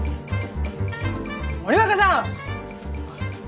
森若さん！